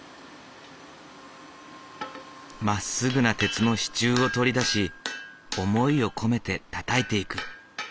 まっすぐな鉄の支柱を取り出し思いを込めてたたいていく。